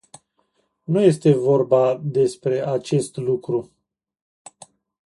Nu este vorba despre acest lucru!